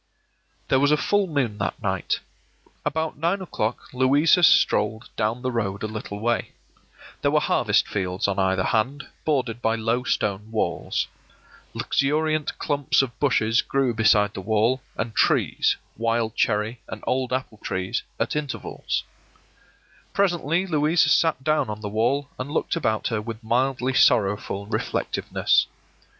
There was a full moon that night. About nine o'clock Louisa strolled down the road a little way. There were harvest fields on either hand, bordered by low stone walls. Luxuriant clumps of bushes grew beside the wall, and trees — wild cherry and old apple trees — at intervals. Presently Louisa sat down on the wall and looked about her with mildly sorrowful reflectiveness.